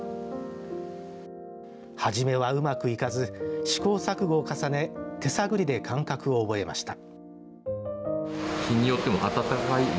初めはうまくいかず試行錯誤を重ね手探りで感覚を覚えました。